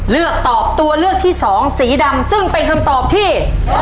เลือกตอบตัวเลือกที่สองสีดำซึ่งเป็นคำตอบที่